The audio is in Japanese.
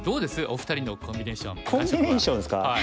お二人のコンビネーション感触は。